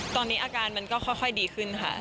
ตอนนี้อาการมันก็ค่อยดีขึ้นค่ะ